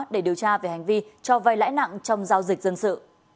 để điều tra về hành vi cho vay lãi nặng trong giao dịch dân sự